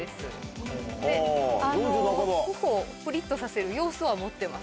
頬をぷりっとさせる要素は持ってます。